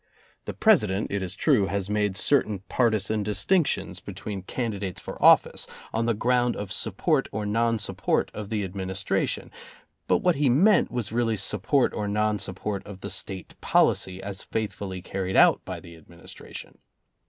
The President, it is true, has made certain partisan distinctions be [i8 4 ] tween candidates for office on the ground of sup port or non support of the Administration, but what he meant was really support or non support of the State policy as faithfully carried out by the Administration.